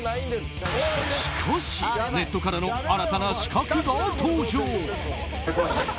しかし、ネットからの新たな刺客が登場。